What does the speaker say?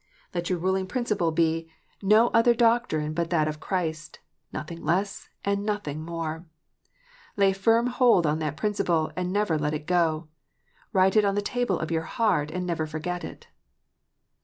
Let your ruling principle 394 KNOTS UNTIED. be, " No other doctrine but that of Christ ; nothing less, and nothing more !" Lay firm hold on that principle, and never let it go. Write it on the table of your heart, and never forget it.